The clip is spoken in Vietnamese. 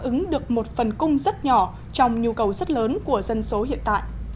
ứng được một phần cung rất nhỏ trong nhu cầu rất lớn của dân số hiện tại